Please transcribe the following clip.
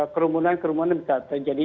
kerumunan kerumunan bisa terjadi